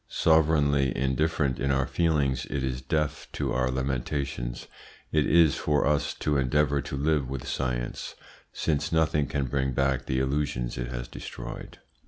Sovereignly indifferent to our feelings, it is deaf to our lamentations. It is for us to endeavour to live with science, since nothing can bring back the illusions it has destroyed.